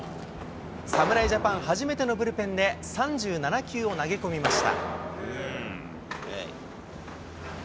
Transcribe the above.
侍ジャパン初めてのブルペンで、３７球を投げ込みました。